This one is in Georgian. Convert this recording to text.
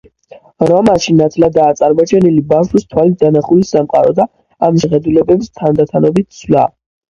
რომანში ნათლადაა წარმოჩენილი ბავშვის თვალით დანახული სამყარო და ამ შეხედულებების თანდათანობითი ცვლა.